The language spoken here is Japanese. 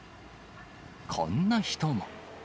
こんな人も。